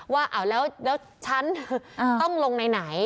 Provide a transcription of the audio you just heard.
ว่าแล้วฉันต้องลงในไหน